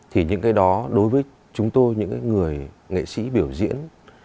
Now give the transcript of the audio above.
thì những cái đó đối với chúng tôi những cái người nghệ sĩ biểu diễn